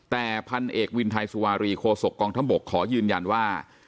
แต่พันเอกวินไทยสุวารีโคศกองทัพบกขอยืนยันว่า